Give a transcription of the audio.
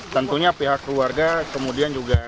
tentunya pihak keluarga kemudian juga